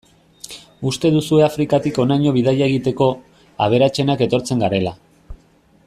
Uste duzue Afrikatik honainoko bidaia egiteko, aberatsenak etortzen garela.